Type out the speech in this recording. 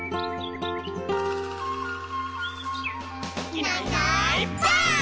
「いないいないばあっ！」